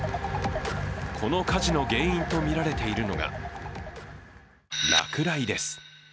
この火事の原因とみられているのが、落雷です。